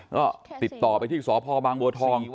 ก็ติดต่อไปที่สพบท